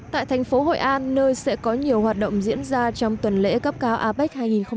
tại thành phố hội an nơi sẽ có nhiều hoạt động diễn ra trong tuần lễ cấp cao apec hai nghìn hai mươi